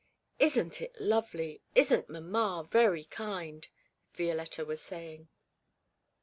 'Isn't it lovely? Isn't mamma very kind?' Violetta was saying.